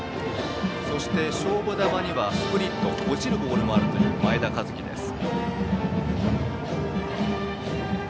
そして勝負球にはスプリット落ちるボールもある前田一輝です。